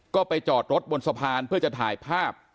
ก็ไปจอดรถบนสะพานเพื่อจะถ่ายภาพ